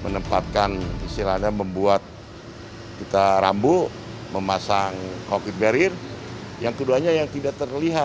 menempatkan istilahnya membuat kita rambu memasang cocket barrier yang keduanya yang tidak terlihat